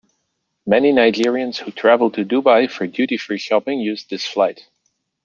Many Nigerians who travelled to Dubai for duty-free shopping used this flight.